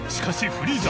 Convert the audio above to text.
フリーザ！